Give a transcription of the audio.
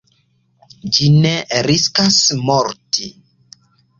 Ĝi ne riskas morti.